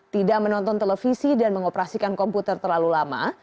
tidak menonton televisi dan mengoperasikan komputer terlalu lama